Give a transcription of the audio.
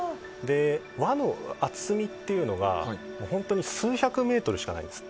輪の厚みというのが数百メートルしかないんです。